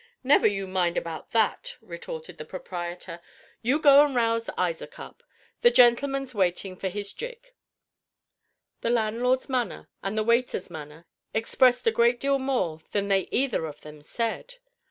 "Never you mind about that," retorted the proprietor; "you go and rouse Isaac up. The gentleman's waiting for his gig." The landlord's manner and the waiter's manner expressed a great deal more than they either of them said.